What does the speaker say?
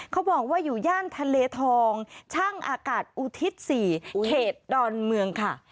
เขาบอกว่าอยู่ย่านทะเลทองช่างอากาศอุทิศ๔เขตดอนเมืองค่ะ